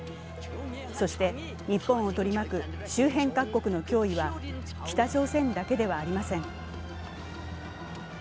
そして、日本を取り巻く周辺各国の脅威は北朝鮮だけではありません。